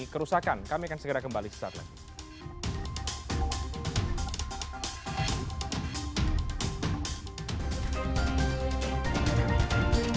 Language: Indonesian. kerusakan kami akan segera kembali sesaat lagi